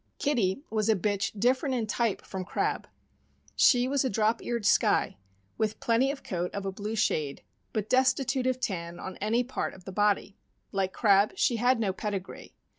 Kitty was a bitch different in type from Crab. She was a drop eared Skye, with plenty of coat of a blue shade, but destitute of tan on any part of the body. Like Crab, she had no pedigree.